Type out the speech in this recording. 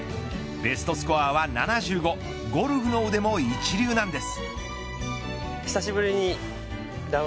ベストスコアは７５ゴルフの腕も一流なんです。